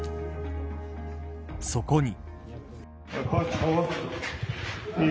そこに。